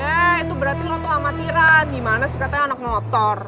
eeeh itu berarti lo tuh amatiran gimana sih katanya anak motor